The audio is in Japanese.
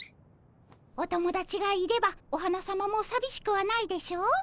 おともだちがいればお花さまもさびしくはないでしょう？